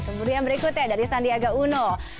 kemudian berikutnya dari sandiaga uno